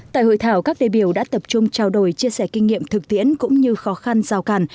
tại hội thảo các đề biểu đã tập trung trao đổi chia sẻ kinh nghiệm thực tiễn cũng như khó khăn rào càn